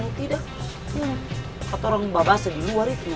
kalau tidak kata orang mbah bahasa di luar itu no